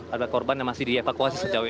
ada korban yang masih dievakuasi sejauh ini